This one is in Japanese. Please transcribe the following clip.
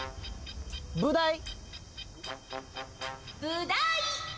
ブダイ。